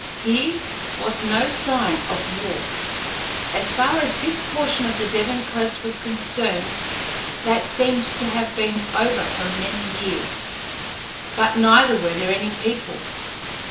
Here was no sign of war. As far as this portion of the Devon coast was concerned, that seemed to have been over for many years, but neither were there any people.